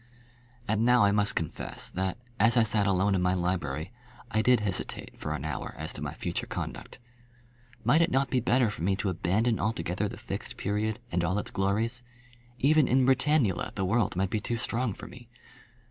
And now I must confess that, as I sat alone in my library, I did hesitate for an hour as to my future conduct. Might it not be better for me to abandon altogether the Fixed Period and all its glories? Even in Britannula the world might be too strong for me.